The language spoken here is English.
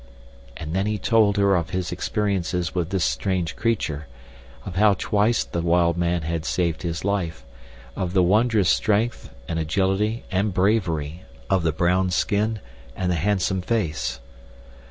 And then he told her of his experiences with this strange creature—of how twice the wild man had saved his life—of the wondrous strength, and agility, and bravery—of the brown skin and the handsome face.